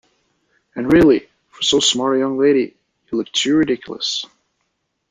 And really, for so smart a young lady, you look too ridiculous.